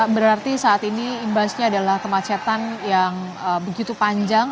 berarti saat ini imbasnya adalah kemacetan yang begitu panjang